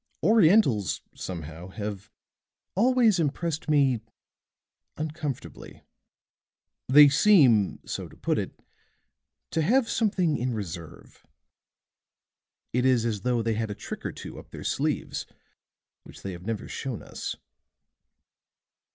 Orientals, somehow, have always impressed me uncomfortably; they seem, so to put it, to have something in reserve. It is as though they had a trick or two up their sleeves which they have never shown us."